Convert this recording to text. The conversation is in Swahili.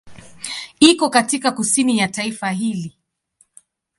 Iko katika kusini ya taifa hili.